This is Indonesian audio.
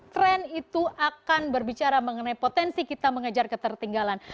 tren itu akan berbicara mengenai potensi kita mengejar ketertinggalan